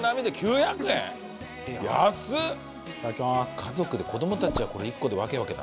家族で子どもたちはこれ１個で分け分けだな。